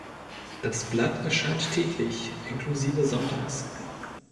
Das Blatt erscheint täglich, inklusive sonntags.